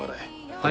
はい。